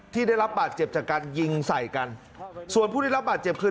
ที่ได้รับบาดเจ็บจากการยิงใส่กันส่วนผู้ได้รับบาดเจ็บคือ